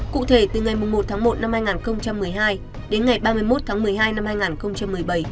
cụ thể từ ngày một tháng một năm hai nghìn một mươi hai đến ngày ba mươi một tháng một mươi hai năm hai nghìn một mươi bảy